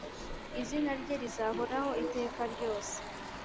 Izina rye rizahoraho iteka ryose